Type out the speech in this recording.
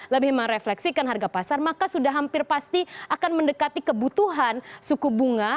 lebih merefleksikan harga pasar maka sudah hampir pasti akan mendekati kebutuhan suku bunga